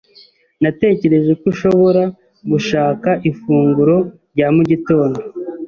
Natekereje ko ushobora gushaka ifunguro rya mu gitondo.